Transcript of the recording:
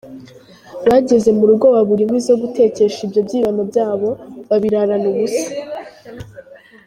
Bageze mu rugo babura inkwi zo gutekesha ibyo byibano byabo, babirarana ubusa.